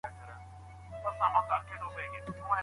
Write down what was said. ولي ځايي واردوونکي طبي درمل له چین څخه واردوي؟